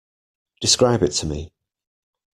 Describe it to me.